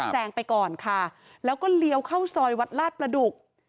แซงไปก่อนค่ะแล้วก็เลี้ยวเข้าซอยวัดลาดประดุก